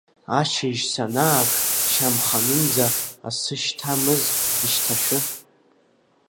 Ашьыжь, санааԥш, шьамханынӡа, асы шьҭамыз ишьҭашәы.